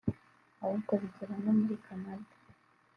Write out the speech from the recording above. ahubwo bigera no muri Canada